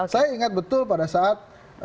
saya ingat betul pada saat